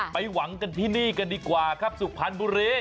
หวังกันที่นี่กันดีกว่าครับสุพรรณบุรี